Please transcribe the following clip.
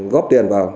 góp tiền vào